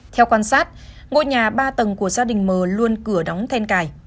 theo quan sát ngôi nhà ba tầng của gia đình mờ luôn cửa đóng then cài